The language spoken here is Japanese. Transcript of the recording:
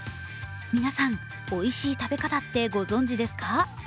皆さん、おいしい食べ方ってご存じですか？